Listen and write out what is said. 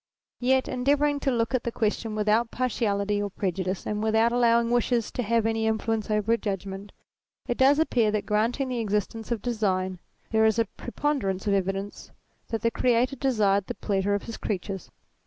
Yet endeavouring to look at ATTRIBUTES 191 the question without partiality or prejudice and without allowing 1 wishes to have any influence over judgment, it does appear that granting the existence of design, there is a preponderance of evidence that the Creator desired the pleasure of his creatures.